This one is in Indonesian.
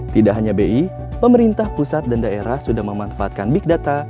tidak hanya bi pemerintah pusat dan daerah sudah memanfaatkan big data